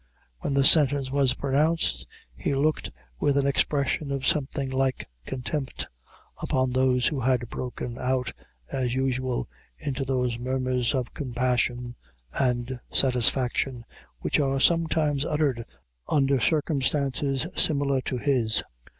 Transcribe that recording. When the sentence was pronounced, he looked with an expression of something like contempt upon those who had broken out, as usual, into those murmurs of compassion and satisfaction, which are sometimes uttered under circumstances similar to his.